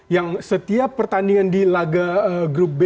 yang setiap pertandingan di laga grup b